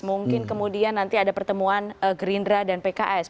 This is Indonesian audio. mungkin kemudian nanti ada pertemuan gerindra dan pks